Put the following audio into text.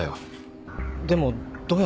でもどうやって病室に？